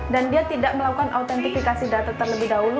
dan dia tidak melakukan autentifikasi data terlebih dahulu